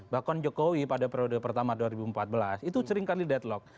bahkan jokowi pada periode pertama dua ribu empat belas itu seringkali deadlock